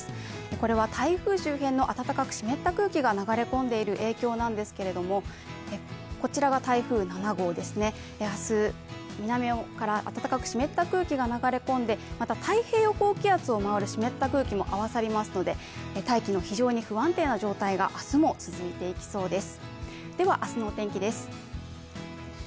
これは台風周辺の暖かく湿った空気が流れ込んでいる影響ですが、こちらが台風７号ですね、明日、南から暖かく湿った空気が流れ込んで、また太平洋高気圧を回る湿った空気も合わさりますので大気の非常に不安定な状態が明日も続いていきそうです。